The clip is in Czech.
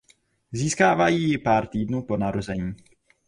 Získávají ji pár týdnů po narození.